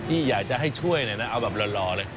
ที่อยากจะให้ช่วยเอาแบบหล่อเลย